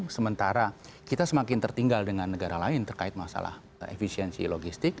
sementara kita semakin tertinggal dengan negara lain terkait masalah efisiensi logistik